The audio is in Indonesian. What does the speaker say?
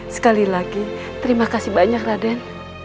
sekali lagi terima kasih banyak raden